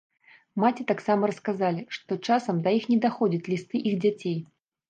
Маці таксама расказалі, што часам да іх не даходзяць лісты іх дзяцей.